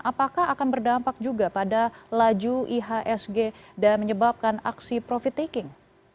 apakah akan berdampak juga pada laju ihsg dan menyebabkan aksi profit taking